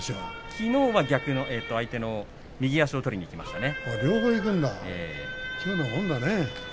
きのうは相手の右足を取りにいきましたね。